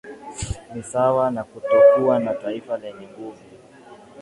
ni sawa na kutokuwa na taifa lenye nguvu